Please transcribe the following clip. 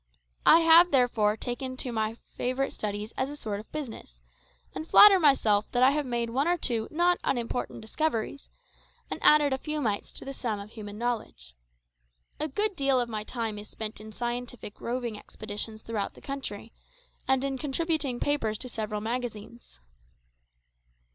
I have therefore taken to my favourite studies as a sort of business, and flatter myself that I have made one or two not unimportant discoveries, and added a few mites to the sum of human knowledge. A good deal of my time is spent in scientific roving expeditions throughout the country, and in contributing papers to several magazines."